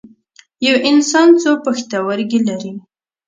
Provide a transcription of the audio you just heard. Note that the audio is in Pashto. یو انسان څو پښتورګي لري